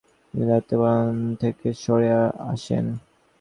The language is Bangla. তিনি দায়িত্ব পালন থেকে সড়ে আসেন।